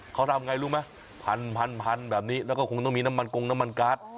เขาทำไงรู้ไหมพันพันแบบนี้แล้วก็คงต้องมีน้ำมันกงน้ำมันการ์ด